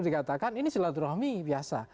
dikatakan ini silaturahmi biasa